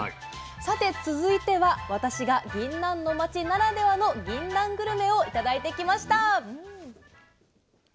さて続いては私がぎんなんの町ならではのぎんなんグルメを頂いてきました。